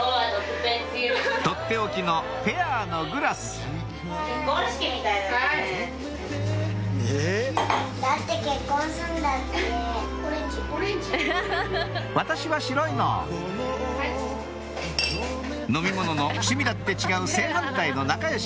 とっておきのペアのグラス「私は白いの」飲み物の趣味だって違う正反対の仲良し